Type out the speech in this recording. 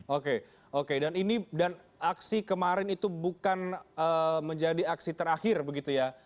oke oke dan ini dan aksi kemarin itu bukan menjadi aksi terakhir begitu ya